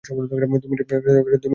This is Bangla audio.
দুই মিনিট দিলাম।